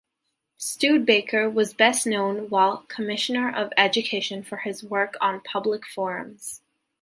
Studebaker was best known, while Commissioner of Education, for his work on public forums.